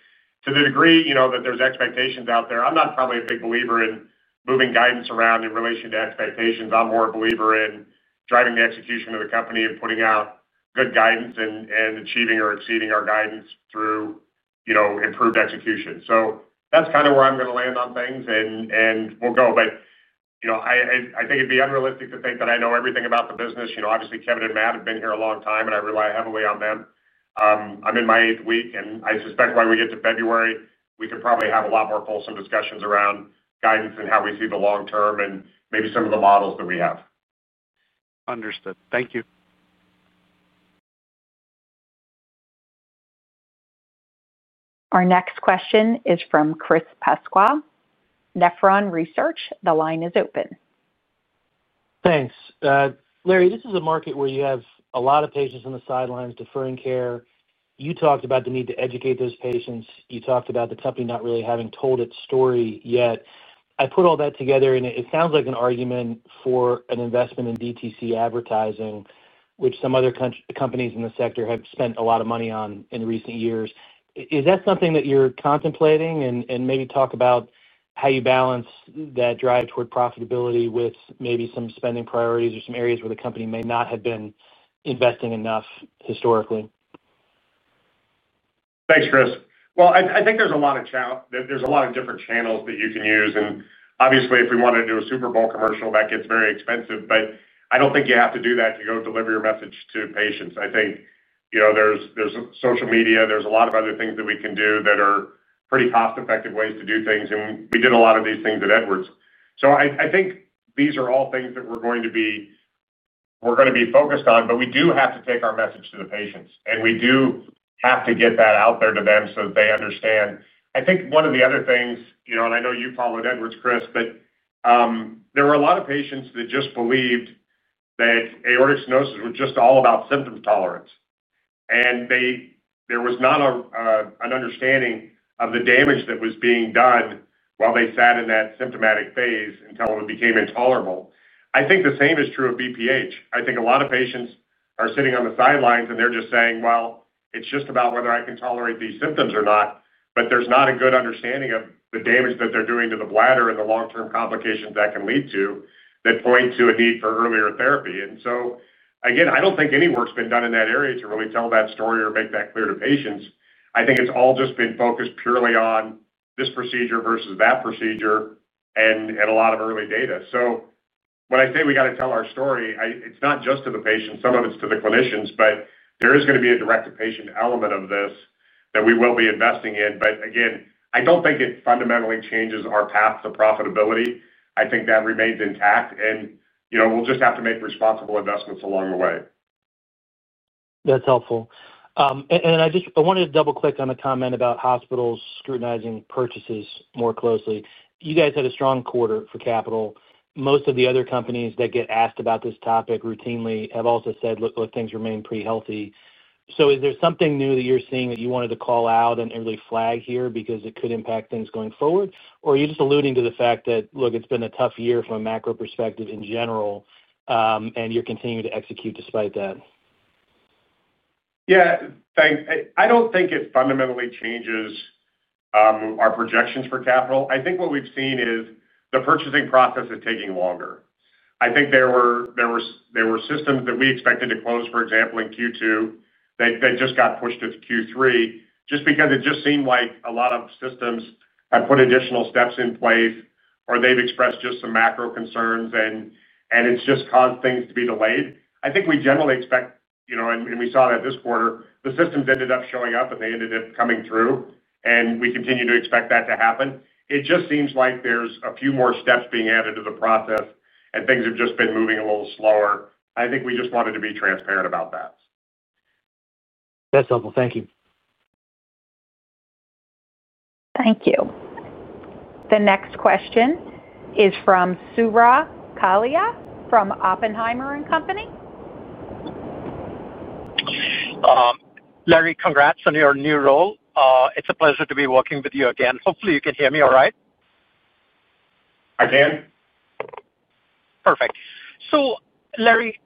to the degree that there's expectations out there, I'm not probably a big believer in moving guidance around in relation to expectations. I'm more a believer in driving the execution of the company and putting out good guidance and achieving or exceeding our guidance through improved execution. So that's kind of where I'm going to land on things, and we'll go. I think it'd be unrealistic to think that I know everything about the business. Obviously, Kevin and Matt have been here a long time, and I rely heavily on them. I'm in my eighth week, and I suspect by we get to February, we could probably have a lot more fulsome discussions around guidance and how we see the long term and maybe some of the models that we have. Understood. Thank you. Our next question is from Chris Pasquale from Nephron Research, the line is open. Thanks. Larry, this is a market where you have a lot of patients on the sidelines deferring care. You talked about the need to educate those patients. You talked about the company not really having told its story yet. I put all that together, and it sounds like an argument for an investment in DTC advertising, which some other companies in the sector have spent a lot of money on in recent years. Is that something that you're contemplating? And maybe talk about how you balance that drive toward profitability with maybe some spending priorities or some areas where the company may not have been investing enough historically. Thanks, Chris. Well, I think there's a lot of different channels that you can use. And obviously, if we wanted to do a Super Bowl commercial, that gets very expensive. But I don't think you have to do that to go deliver your message to patients. I think there's social media. There's a lot of other things that we can do that are pretty cost-effective ways to do things. And we did a lot of these things at Edwards. So I think these are all things that we're going to be focused on, but we do have to take our message to the patients. And we do have to get that out there to them so that they understand. I think one of the other things, and I know you followed Edwards, Chris, but there were a lot of patients that just believed that aortic stenosis was just all about symptom tolerance. And there was not an understanding of the damage that was being done while they sat in that symptomatic phase until it became intolerable. I think the same is true of BPH. I think a lot of patients are sitting on the sidelines, and they're just saying, "Well, it's just about whether I can tolerate these symptoms or not." But there's not a good understanding of the damage that they're doing to the bladder and the long-term complications that can lead to that point to a need for earlier therapy. And so, again, I don't think any work's been done in that area to really tell that story or make that clear to patients. I think it's all just been focused purely on this procedure versus that procedure and a lot of early data. So when I say we got to tell our story, it's not just to the patients. Some of it's to the clinicians, but there is going to be a direct-to-patient element of this that we will be investing in. But again, I don't think it fundamentally changes our path to profitability. I think that remains intact, and we'll just have to make responsible investments along the way. That's helpful. And I wanted to double-click on the comment about hospitals scrutinizing purchases more closely. You guys had a strong quarter for capital. Most of the other companies that get asked about this topic routinely have also said, "Look, things remain pretty healthy." So is there something new that you're seeing that you wanted to call out and really flag here because it could impact things going forward? Or are you just alluding to the fact that, look, it's been a tough year from a macro perspective in general, and you're continuing to execute despite that? Yeah. I don't think it fundamentally changes our projections for capital. I think what we've seen is the purchasing process is taking longer. I think there were systems that we expected to close, for example, in Q2, that just got pushed to third quarter just because it just seemed like a lot of systems had put additional steps in place, or they've expressed just some macro concerns, and it's just caused things to be delayed. I think we generally expect, and we saw that this quarter, the systems ended up showing up, and they ended up coming through. And we continue to expect that to happen. It just seems like there's a few more steps being added to the process, and things have just been moving a little slower. I think we just wanted to be transparent about that. That's helpful. Thank you. Thank you. The next question is from Suraj Kalia from Oppenheimer and Company. Larry, congrats on your new role. It's a pleasure to be working with you again. Hopefully, you can hear me all right. I can. Perfect. So, Larry,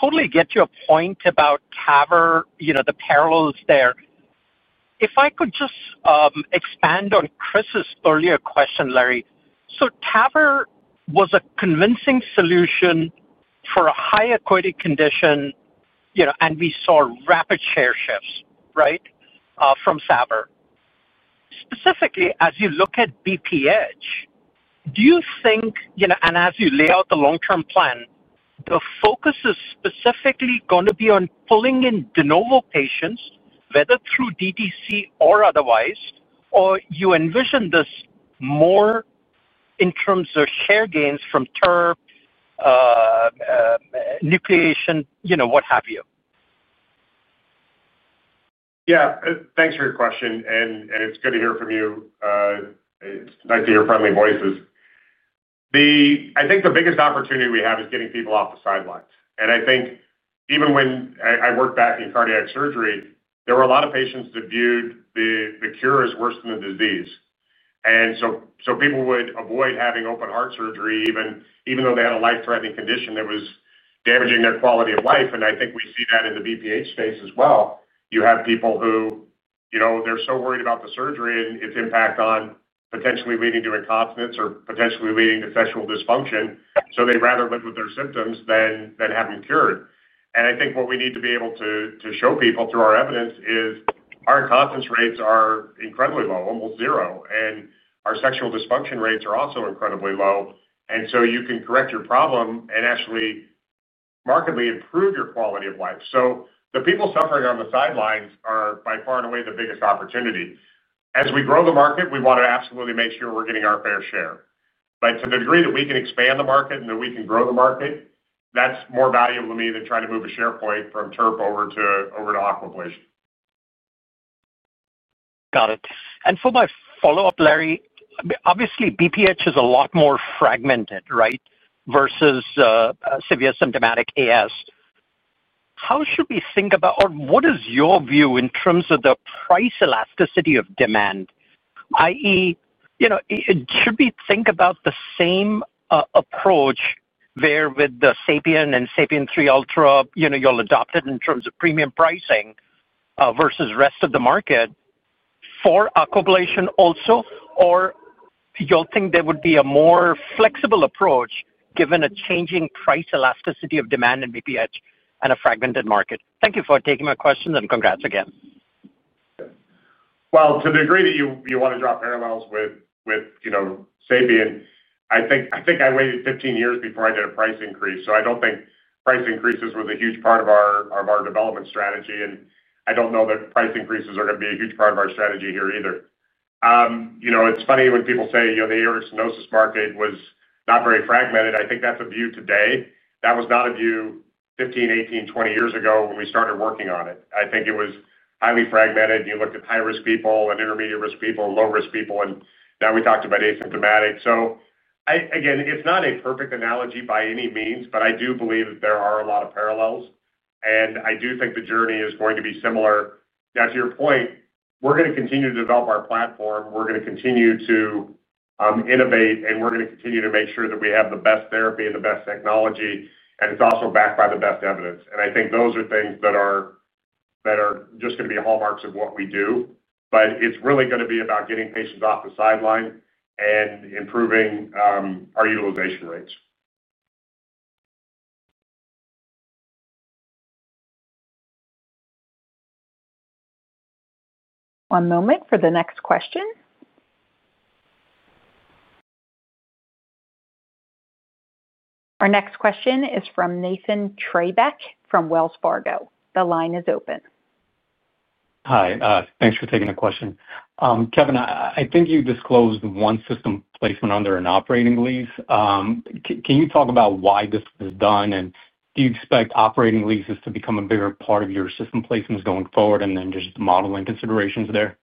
totally get your point about TAVR, the parallels there. If I could just expand on Chris's earlier question, Larry, so TAVR was a convincing solution for a high-equity condition. And we saw rapid share shifts, right, from SAVR. Specifically, as you look at BPH, do you think, and as you lay out the long-term plan. The focus is specifically going to be on pulling in de novo patients, whether through DTC or otherwise, or you envision this more. In terms of share gains from TURP. Incumbents, what have you? Yeah. Thanks for your question, and it's good to hear from you. It's nice to hear friendly voices. I think the biggest opportunity we have is getting people off the sidelines, and I think even when I worked back in cardiac surgery, there were a lot of patients that viewed the cure as worse than the disease, and so people would avoid having open-heart surgery, even though they had a life-threatening condition that was damaging their quality of life. I think we see that in the BPH space as well. You have people who. They're so worried about the surgery and its impact on potentially leading to incontinence or potentially leading to sexual dysfunction, so they'd rather live with their symptoms than have them cured. I think what we need to be able to show people through our evidence is our incontinence rates are incredibly low, almost zero, and our sexual dysfunction rates are also incredibly low, and so you can correct your problem and actually markedly improve your quality of life, so the people suffering on the sidelines are by far and away the biggest opportunity. As we grow the market, we want to absolutely make sure we're getting our fair share, but to the degree that we can expand the market and that we can grow the market, that's more valuable to me than trying to move a share point from TURP over to Aquablation. Got it. And for my follow-up, Larry, obviously, BPH is a lot more fragmented, right, versus severe symptomatic AS. How should we think about, or what is your view in terms of the price elasticity of demand, i.e., should we think about the same approach where with the SAPIEN and SAPIEN 3 Ultra, you'll adopt it in terms of premium pricing versus the rest of the market for Aquablation also, or you'll think there would be a more flexible approach given a changing price elasticity of demand in BPH and a fragmented market? Thank you for taking my questions, and congrats again. Well, to the degree that you want to draw parallels with SAPIEN, I think I waited 15 years before I did a price increase. So I don't think price increases were a huge part of our development strategy. And I don't know that price increases are going to be a huge part of our strategy here either. It's funny when people say the aortic stenosis market was not very fragmented. I think that's a view today. That was not a view 15, 18, 20 years ago when we started working on it. I think it was highly fragmented. You looked at high-risk people and intermediate-risk people and low-risk people. And now we talked about asymptomatic. So again, it's not a perfect analogy by any means, but I do believe that there are a lot of parallels. And I do think the journey is going to be similar. Now, to your point, we're going to continue to develop our platform. We're going to continue to innovate, and we're going to continue to make sure that we have the best therapy and the best technology. And it's also backed by the best evidence. And I think those are things that are just going to be hallmarks of what we do. But it's really going to be about getting patients off the sideline and improving our utilization rates. One moment for the next question. Our next question is from Nathan Treybeck from Wells Fargo The line is open. Hi. Thanks for taking the question. Kevin, I think you disclosed one system placement under an operating lease. Can you talk about why this was done? And do you expect operating leases to become a bigger part of your system placements going forward and then just modeling considerations there?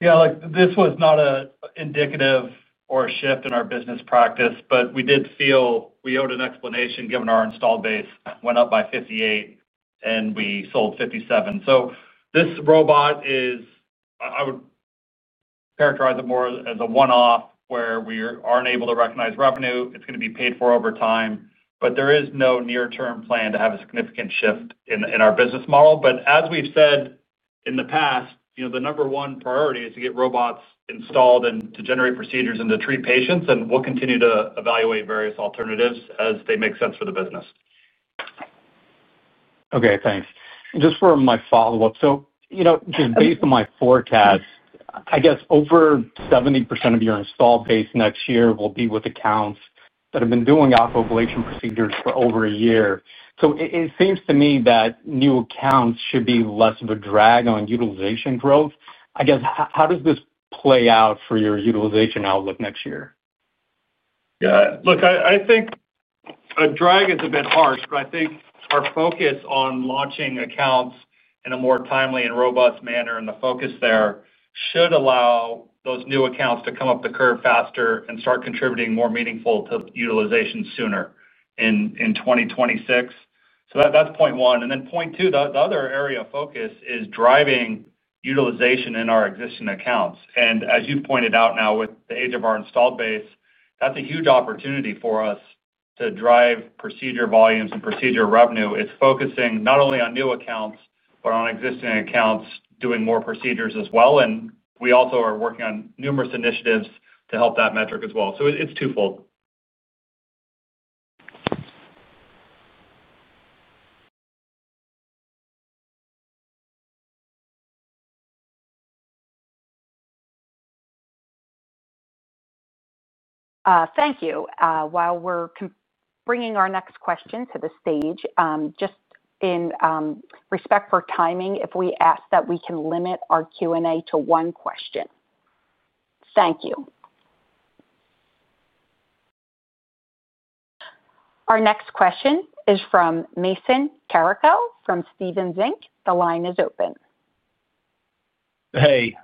Yeah. This was not indicative of a shift in our business practice, but we did feel we owed an explanation given our installed base went up by 58, and we sold 57. So this robot, I would characterize it more as a one-off where we aren't able to recognize revenue. It's going to be paid for over time. But there is no near-term plan to have a significant shift in our business model. But as we've said in the past, the number one priority is to get robots installed and to generate procedures and to treat patients. And we'll continue to evaluate various alternatives as they make sense for the business. Okay. Thanks. Just for my follow-up, so just based on my forecast, I guess over 70% of your install base next year will be with accounts that have been doing Aquablation procedures for over a year. So it seems to me that new accounts should be less of a drag on utilization growth. I guess, how does this play out for your utilization outlook next year? Yeah. Look, I think a drag is a bit harsh, but I think our focus on launching accounts in a more timely and robust manner and the focus there should allow those new accounts to come up the curve faster and start contributing more meaningful to utilization sooner in 2026. So that's point one and then point two, the other area of focus is driving utilization in our existing accounts, and as you've pointed out now with the age of our install base, that's a huge opportunity for us to drive procedure volumes and procedure revenue. It's focusing not only on new accounts, but on existing accounts doing more procedures as well, and we also are working on numerous initiatives to help that metric as well, so it's twofold. Thank you. While we're bringing our next question to the stage, just in respect for timing, if we ask that we can limit our Q&A to one question. Thank you. Our next question is from Mason Carrico from Stephens Inc. The line is open. Hey.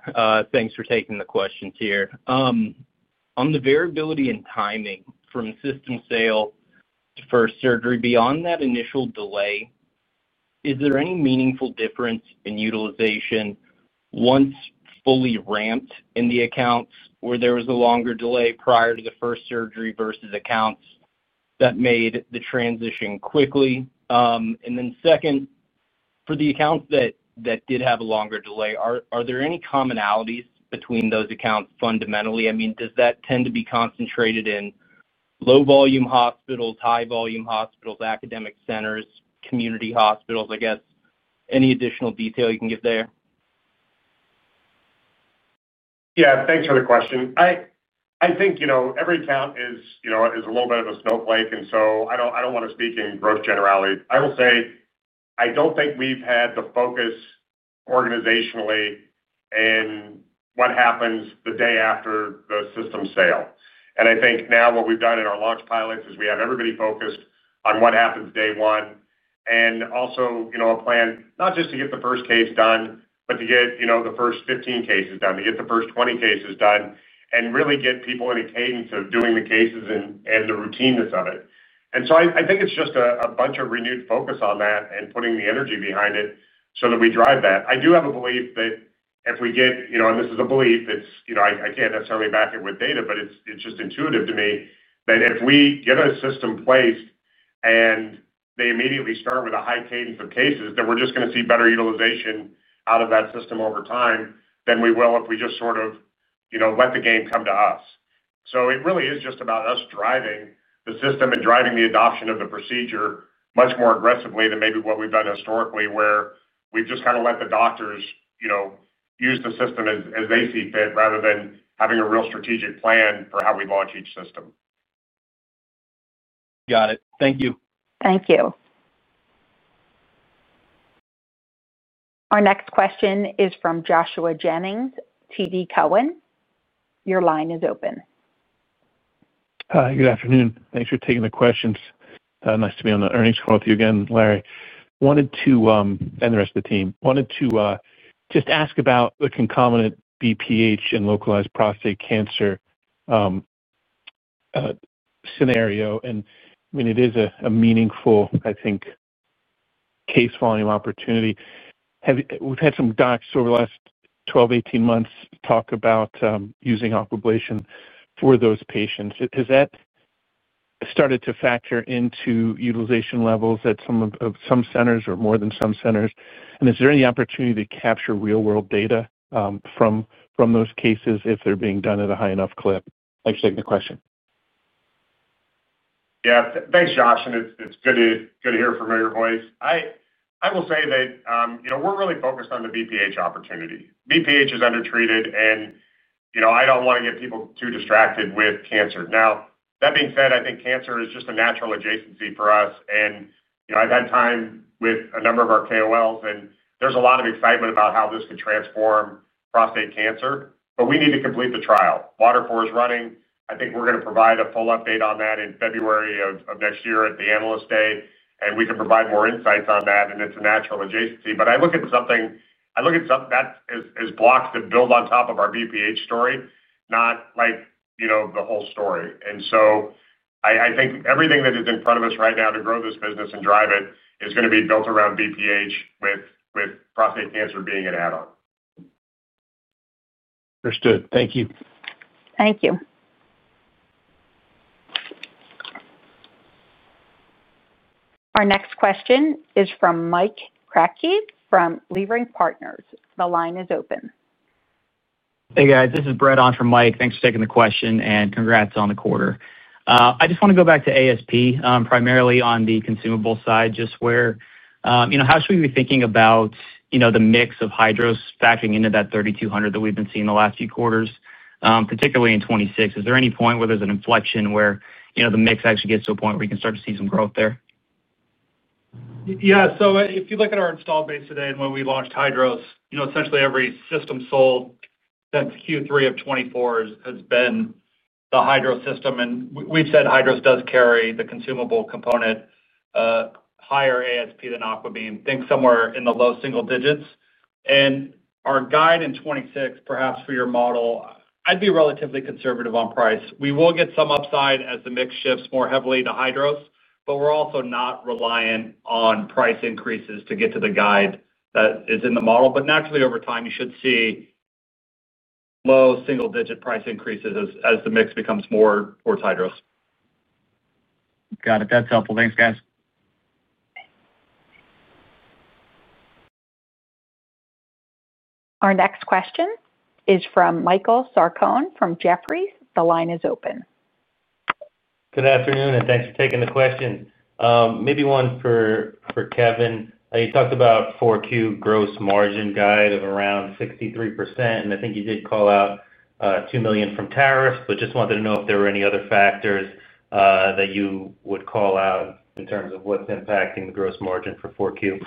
Thanks for taking the questions here. On the variability in timing from system sale to first surgery, beyond that initial delay. Is there any meaningful difference in utilization once fully ramped in the accounts where there was a longer delay prior to the first surgery versus accounts that made the transition quickly? And then, second, for the accounts that did have a longer delay, are there any commonalities between those accounts fundamentally? I mean, does that tend to be concentrated in low-volume hospitals, high-volume hospitals, academic centers, community hospitals? I guess, any additional detail you can give there? Yeah. Thanks for the question. I think every account is a little bit of a snowflake. And so I don't want to speak in gross generalities. I will say I don't think we've had the focus organizationally in what happens the day after the system sale. And I think now what we've done in our launch pilots is we have everybody focused on what happens day one and also a plan. Not just to get the first case done, but to get the first 15 cases done, to get the first 20 cases done, and really get people in a cadence of doing the cases and the routineness of it. And so I think it's just a bunch of renewed focus on that and putting the energy behind it so that we drive that. I do have a belief that if we get—and this is a belief—I can't necessarily back it with data, but it's just intuitive to me that if we get a system placed and they immediately start with a high cadence of cases, then we're just going to see better utilization out of that system over time than we will if we just sort of let the game come to us. So it really is just about us driving the system and driving the adoption of the procedure much more aggressively than maybe what we've done historically, where we've just kind of let the doctors use the system as they see fit rather than having a real strategic plan for how we launch each system. Got it. Thank you. Thank you. Our next question is from Joshua Jennings, TD Cowen. Your line is open. Good afternoon. Thanks for taking the questions. Nice to be on the earnings call with you again, Larry. Wanted to, and the rest of the team, wanted to just ask about the concomitant BPH and localized prostate cancer scenario. And I mean, it is a meaningful, I think, case volume opportunity. We've had some docs over the last 12, 18 months talk about using Aquablation for those patients. Has that started to factor into utilization levels at some centers or more than some centers? And is there any opportunity to capture real-world data from those cases if they're being done at a high enough clip? Thanks for taking the question. Yeah. Thanks, Josh. And it's good to hear a familiar voice. I will say that we're really focused on the BPH opportunity. BPH is undertreated, and I don't want to get people too distracted with cancer. Now, that being said, I think cancer is just a natural adjacency for us. And I've had time with a number of our KOLs, and there's a lot of excitement about how this could transform prostate cancer. But we need to complete the trial. Waterfall is running. I think we're going to provide a full update on that in February of next year at the analyst day, and we can provide more insights on that. And it's a natural adjacency. But I look at something that is blocks that build on top of our BPH story, not the whole story. And so I think everything that is in front of us right now to grow this business and drive it is going to be built around BPH, with prostate cancer being an add-on. Understood. Thank you. Thank you. Our next question is from Mike Kratky from Leerink Partners. The line is open. Hey, guys. This is Brett on from Mike. Thanks for taking the question, and congrats on the quarter. I just want to go back to ASP primarily on the consumable side, just where how should we be thinking about the mix of hydros factoring into that 3,200 that we've been seeing the last few quarters, particularly in 2026? Is there any point where there's an inflection where the mix actually gets to a point where you can start to see some growth there? Yeah. So if you look at our install base today and when we launched HydroS, essentially every system sold since third quarter of 2024 has been the HydroS system. And we've said HydroS does carry the consumable component. Higher ASP than Aquablation. Think somewhere in the low single digits. And our guide in 2026, perhaps for your model, I'd be relatively conservative on price. We will get some upside as the mix shifts more heavily to HydroS, but we're also not reliant on price increases to get to the guide that is in the model. But naturally, over time, you should see low single-digit price increases as the mix becomes more towards HydroS. Got it. That's helpful. Thanks, guys. Our next question is from Michael Sarcone from Jefferies. The line is open. Good afternoon, and thanks for taking the question. Maybe one for Kevin. You talked about 4Q gross margin guide of around 63%, and I think you did call out $2 million from tariffs, but just wanted to know if there were any other factors that you would call out in terms of what's impacting the gross margin for 4Q.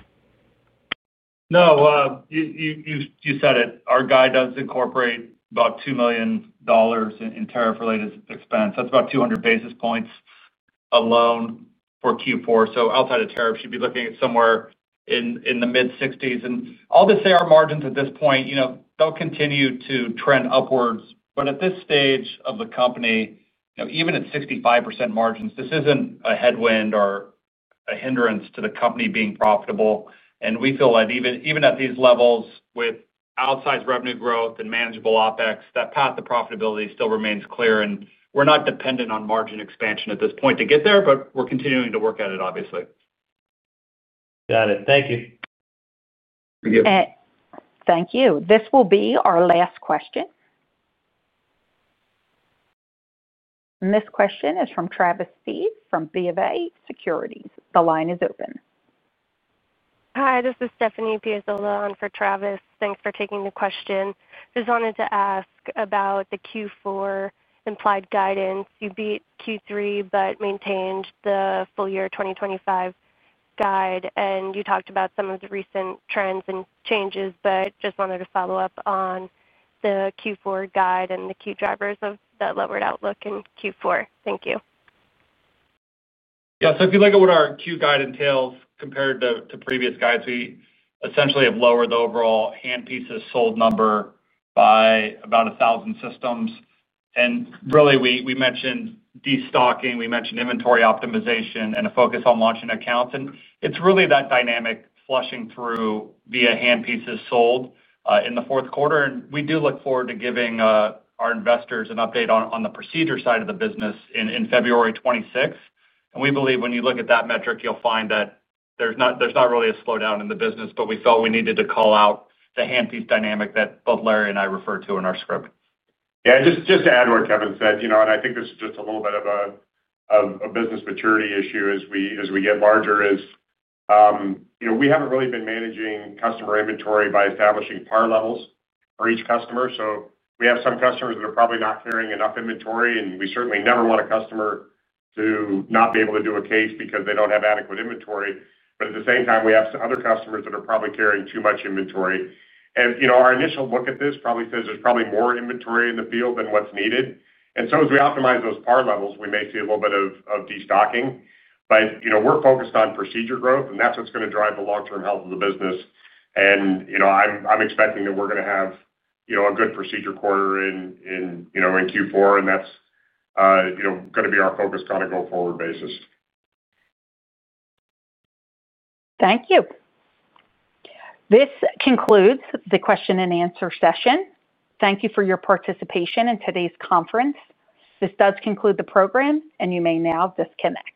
No. You said it. Our guide does incorporate about $2 million in tariff-related expense. That's about 200 basis points alone for Q4. So outside of tariff, you'd be looking at somewhere in the mid-60s. And I'll just say our margins at this point, they'll continue to trend upwards. But at this stage of the company, even at 65% margins, this isn't a headwind or a hindrance to the company being profitable. And we feel that even at these levels with outsized revenue growth and manageable OpEx, that path of profitability still remains clear. And we're not dependent on margin expansion at this point to get there, but we're continuing to work at it, obviously. Got it. Thank you. Thank you. Thank you. This will be our last question. And this question is from Travis Steed from BofA Securities. The line is open. Hi. This is Stephanie Piazzolla on for Travis. Thanks for taking the question. Just wanted to ask about the Q$ implied guidance. You beat Q3 but maintained the full year 2025 guide, and you talked about some of the recent trends and changes, but just wanted to follow up on the fourth quarter guide and the key drivers of that lowered outlook in fourth quarter. Thank you. Yeah. So if you look at what our Q guide entails compared to previous guides, we essentially have lowered the overall handpieces sold number by about 1,000 systems. And really, we mentioned destocking. We mentioned inventory optimization and a focus on launching accounts. And it's really that dynamic flushing through via handpieces sold in the fourth quarter. And we do look forward to giving our investors an update on the procedure side of the business in February 2026. And we believe when you look at that metric, you'll find that there's not really a slowdown in the business, but we felt we needed to call out the handpiece dynamic that both Larry and I refer to in our script. Yeah. Just to add to what Kevin said, and I think this is just a little bit of a business maturity issue as we get larger. We haven't really been managing customer inventory by establishing PAR levels for each customer. So we have some customers that are probably not carrying enough inventory, and we certainly never want a customer to not be able to do a case because they don't have adequate inventory. But at the same time, we have some other customers that are probably carrying too much inventory. And our initial look at this probably says there's probably more inventory in the field than what's needed. And so as we optimize those PAR levels, we may see a little bit of destocking. But we're focused on procedure growth, and that's what's going to drive the long-term health of the business. And I'm expecting that we're going to have a good procedure quarter in Q4 and that's going to be our focus on a go-forward basis. Thank you. This concludes the question-and-answer session. Thank you for your participation in today's conference. This does conclude the program, and you may now disconnect.